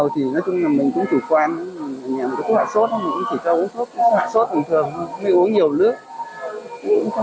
thì bác sĩ bảo là cái giai đoạn bốn